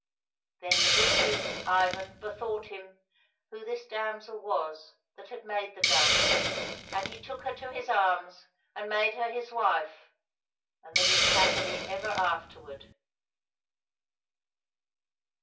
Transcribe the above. " Then the good youth Ivan bethought him who this damsel was that had made the doves, and he took her to his arms and made her his wife, and they lived happily ever afterward.